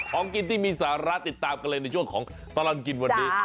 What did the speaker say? ของกินที่มีสาระติดตามกันเลยในช่วงของตลอดกินวันนี้